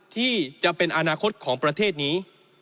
ที่จะเป็นอนาคตของประเทศนี้